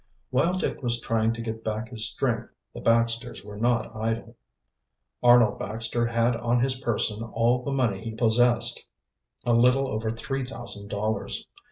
While Dick was trying to get back his strength the Baxters were not idle. Arnold Baxter had on his person all the money he possessed, a little over three thousand dollars.